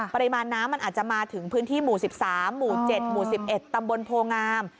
ปริมาณน้ำมันอาจจะมาถึงพื้นที่หมู่๑๓หมู่๗หมู่๑๑ตำบลโพงาม